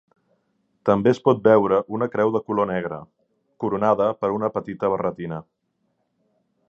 També es pot veure una creu de color negre, coronada per una petita barretina.